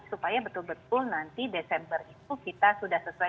supaya betul betul nanti desember itu kita sudah sesuai